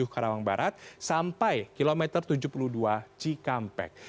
karawang barat sampai kilometer tujuh puluh dua cikampek